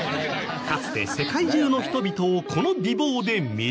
かつて世界中の人々をこの美貌で魅了。